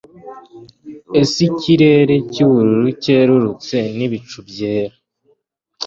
ese ikirere cyubururu cyerurutse, n'ibicu byera